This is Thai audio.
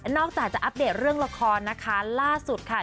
อกจากจะอัปเดตเรื่องละครนะคะล่าสุดค่ะ